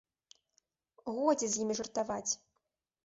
Годзе з імі жартаваць.